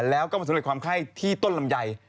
แล้วมาส่งเลยความแข็งในที่ต้นลำไย